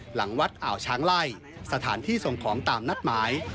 หลังวัดอ่าวช้างไล่สถานที่ส่งของตามนัดหมาย